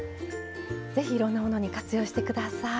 是非いろんなものに活用して下さい。